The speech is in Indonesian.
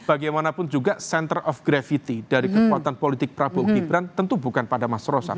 bagaimanapun juga center of gravity dari kekuatan politik prabowo gibran tentu bukan pada mas rosan